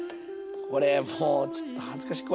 これもうちょっと恥ずかしい。